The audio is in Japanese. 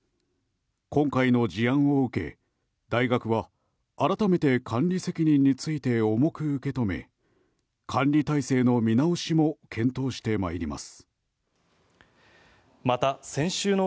今回の事案を受け大学は改めて管理責任について重く受け止め管理体制の見直しも検討してまいります。